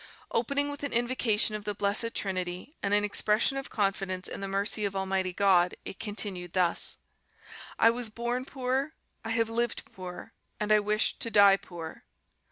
Opening with an invocation of the Blessed Trinity and an expression of confidence in the mercy of Almighty God, it continued thus: "I was born poor, I have lived poor, and I wish to die poor."